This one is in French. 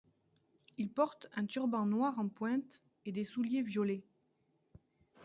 Il porte un turban noir en pointe et des souliers violets.